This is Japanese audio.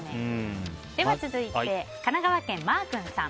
続いて、神奈川県の方。